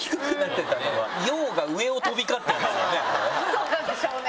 そうなんでしょうね。